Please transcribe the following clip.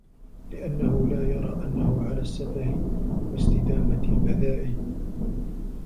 لِأَنَّهُ لَا يَرَى أَنَّهُ عَلَى السَّفَهِ وَاسْتِدَامَةِ الْبَذَاءِ